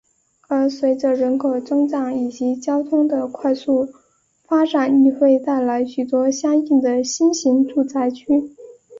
而随着人口增长以及交通的快速发展亦会带来许多相应的新型住宅区。